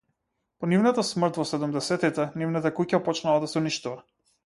По нивната смрт во седумдесетите, нивната куќа почнала да се уништува.